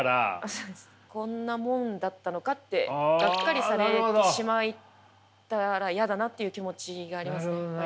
こんなもんだったのかってがっかりされてしまったら嫌だなっていう気持ちがありますねはい。